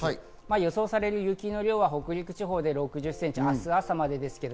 予想される雪の量は北陸地方で６０ｃｍ、明日朝までですけど。